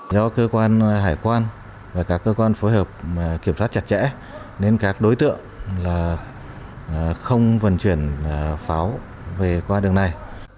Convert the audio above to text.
do cơ quan hải quan và các cơ quan phối hợp kiểm soát chặt chẽ nên các đối tượng không vận chuyển pháo về qua đường này